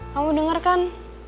kamu denger kan